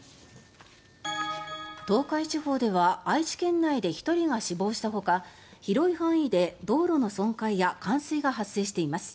東海地方では愛知県内で１人が死亡したほか広い範囲で道路の損壊や冠水が発生しています。